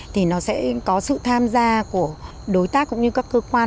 thì nó sẽ có sự tham gia của đối tác cũng như các cơ quan